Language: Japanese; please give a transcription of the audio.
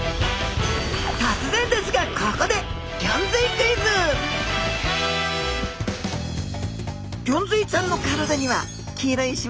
突然ですがここでギョンズイちゃんの体には黄色いしま